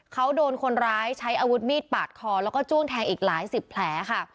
เขาโดนคนร้ายใช้อาวุธมีดปาดคอแล้วก็จ้วงแทงอีกหลายสิบแผลค่ะ